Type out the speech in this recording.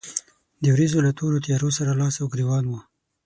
د ورېځو له تورو تيارو سره لاس او ګرېوان و.